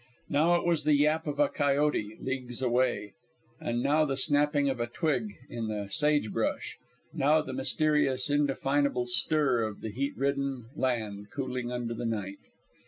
Now it was the yap of a coyote leagues away; now the snapping of a twig in the sage brush; now the mysterious, indefinable stir of the heat ridden land cooling under the night.